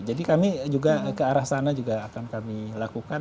jadi kami juga ke arah sana juga akan kami lakukan